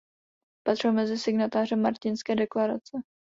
Patřil mezi signatáře Martinské deklarace.